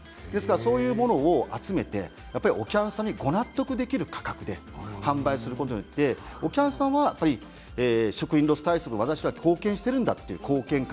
そういうものを集めてお客さんにご納得できる価格で販売することによってお客さんは食品ロス対策に私は貢献しているという貢献感。